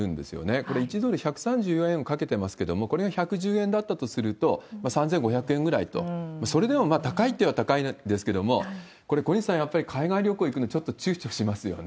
これ、１ドル１３４円をかけてますけれども、これが１１０円だったとすると、３５００円ぐらいと、それでも高いっていえば高いんですけれども、これ、小西さん、やっぱり海外旅行行くのに、ちょっとちゅうちょしますよね。